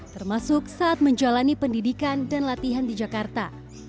termasuk saat menjalani pendidikan dan latihan di jakarta